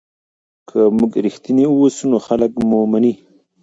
که موږ رښتیني اوسو نو خلک مو مني.